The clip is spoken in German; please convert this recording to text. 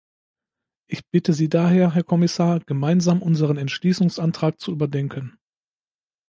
Ich bitte Sie daher, Herr Kommissar, gemeinsam unseren Entschließungsantrag zu überdenken.